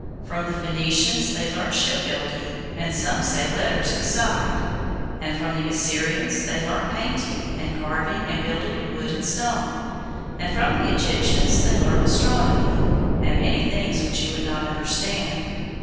From the Phoenicians they learnt shipbuilding, and some say letters beside; and from the Assyrians they learnt painting, and carving, and building in wood and stone; and from the Egyptians they learnt astronomy, and many things which you would not understand.